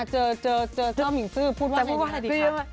เจอไต้หมิ่งซึพูดว่าอะไรเลย